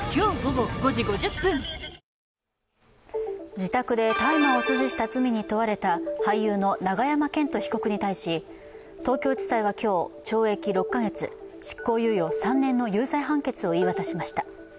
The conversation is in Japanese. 自宅で大麻を所持した罪に問われた俳優の永山絢斗被告に対し東京地裁は今日、懲役６か月、執行猶予３年の判決を言い渡しました。